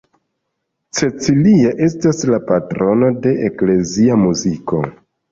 Cecilia estas la patrono de eklezia muziko.